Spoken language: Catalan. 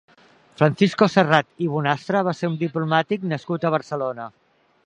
Francisco Serrat i Bonastre va ser un diplomàtic nascut a Barcelona.